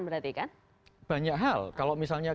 berarti kan banyak hal kalau misalnya